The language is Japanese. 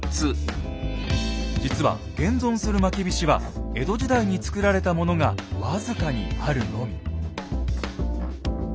実は現存するまきびしは江戸時代に作られたものが僅かにあるのみ。